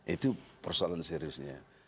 itu persoalan seriusnya